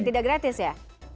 tidak gratis ya